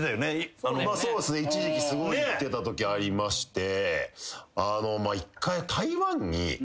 そうっすね一時期すごい行ってたときありまして一回。